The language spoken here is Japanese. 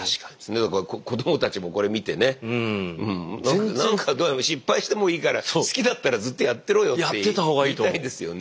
だから子供たちもこれ見てねとにかく失敗してもいいから好きだったらずっとやってろよって言いたいですよね。